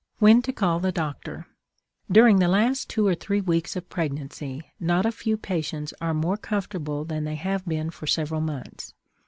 WHEN TO CALL THE DOCTOR. During the last two or three weeks of pregnancy not a few patients are more comfortable than they have been for several months.